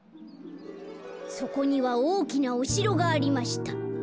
「そこにはおおきなおしろがありました。